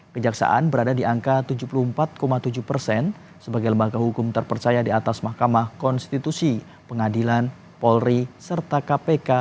kejaksaan berada di angka tujuh puluh empat tujuh persen sebagai lembaga hukum terpercaya di atas mahkamah konstitusi pengadilan polri serta kpk